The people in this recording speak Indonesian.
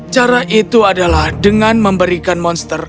cara itu adalah dengan memberikan monster